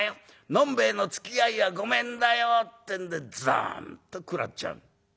飲んべえのつきあいはごめんだよ』ってんでざんっと食らっちゃう」。